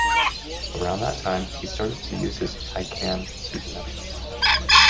Around that time, he started to use his "Taikan" pseudonym.